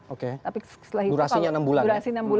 oke durasinya enam bulan ya